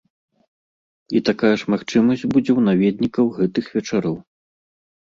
І такая ж магчымасць будзе ў наведнікаў гэтых вечароў.